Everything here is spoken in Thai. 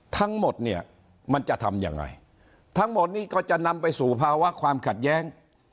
ทั้งหมดเนี่ยมันจะทำยังไงทั้งหมดนี้ก็จะนำไปสู่ภาวะความขัดแย้ง